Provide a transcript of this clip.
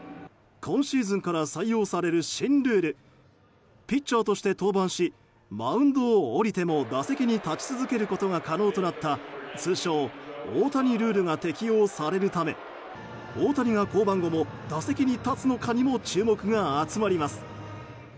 今シーズンから採用される新ルールピッチャーとして登板しマウンドを降りても打席に立ち続けることが可能となった通称・大谷ルールが適用されるため大谷が降板後も打席に立つのかにも注目が集まります。